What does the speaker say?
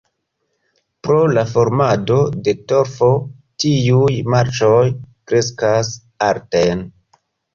Pro la formado de torfo tiuj marĉoj kreskas alten.